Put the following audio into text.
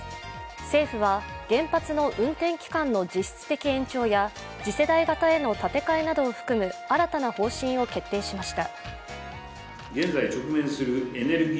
政府は原発の運転期間の実質的延長や次世代型への建て替えなどを含む新たな方針を決定しました。